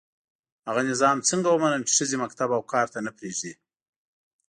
هغه نظام څنګه ومنم چي ښځي مکتب او کار ته نه پزېږدي